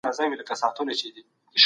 موږ باید د خپل هېواد تېر تاریخ ولولو.